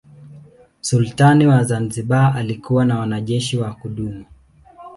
Sultani wa Zanzibar alikuwa na wanajeshi wa kudumu.